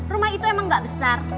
rumah itu emang gak besar